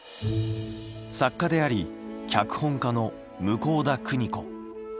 作家であり脚本家の向田邦子。